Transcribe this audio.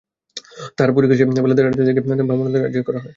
তারপর পরীক্ষা শেষে বেলা দেড়টার দিকে তাদের ভ্রাম্যমাণ আদালতে হাজির করা হয়।